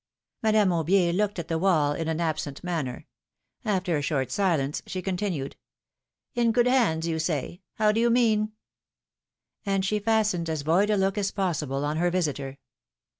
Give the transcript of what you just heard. '^ Madame Aubier looked at the wall in an absent manner ; after a short silence, she continued : In good hands, you say — how do you mean 236 PHILOMi:NE's MARRIAGES. And she fastened as void a look as possible on her visitor.